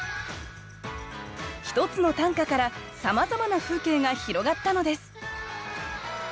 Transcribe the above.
１つの短歌からさまざまな風景が広がったのです